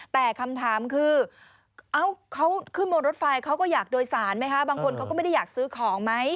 แต่คำถามคือเอ้าเขาขึ้นบนรถไฟเขาก็อยากโดยสารไหมคะบางคนเขาก็ไม่ได้อยากซื้อของไหม